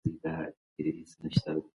مکناټن په دې کار کي ډیر مهارت درلود.